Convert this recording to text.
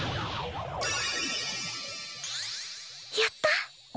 やった。